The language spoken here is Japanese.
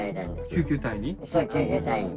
救急隊に？